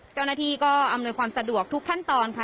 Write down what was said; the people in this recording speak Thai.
เจ้าหน้าที่ก็อำนวยความสะดวกทุกขั้นตอนค่ะ